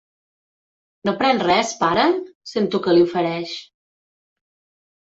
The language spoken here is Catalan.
No pren res, pare? —sento que li ofereix.